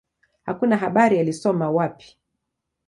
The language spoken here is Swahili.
Hakuna habari alisoma wapi.